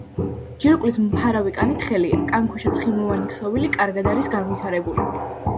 ჯირკვლის მფარავი კანი თხელია, კანქვეშა ცხიმოვანი ქსოვილი კარგად არის განვითარებული.